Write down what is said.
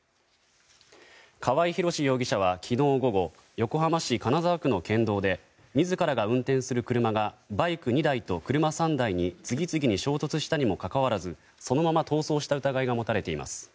川合廣司容疑者は昨日午後横浜市金沢区の県道で自らが運転する車がバイク２台と車３台に次々に衝突したにもかかわらずそのまま逃走した疑いが持たれています。